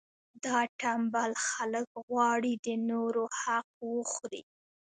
دا ټنبل خلک غواړي د نورو حق وخوري.